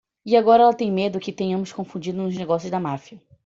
E agora ela tem medo que a tenhamos confundido nos negócios da máfia.